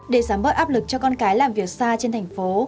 để giảm bớt áp lực cho con cái làm việc xa trên thành phố